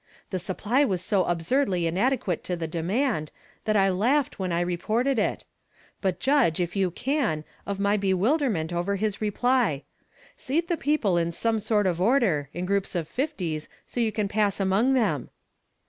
The supply was so absurdly inade quate to the demand, that I laughed when I reported it ; but judge, if you can, of my bewilder ment over his reply :' Seat the people in some sort of order, in groups of fifties, so you can pass among them.'